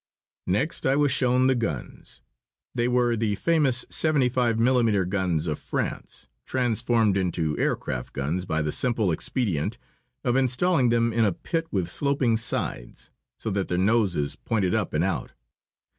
Next I was shown the guns. They were the famous seventy five millimetre guns of France, transformed into aircraft guns by the simple expedient of installing them in a pit with sloping sides, so that their noses pointed up and out.